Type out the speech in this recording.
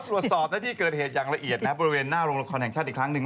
ตรวจสอบในที่เกิดเหตุอย่างละเอียดนะบริเวณหน้าโรงละครแห่งชาติอีกครั้งหนึ่ง